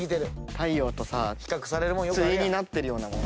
太陽とさ対になってるようなもの。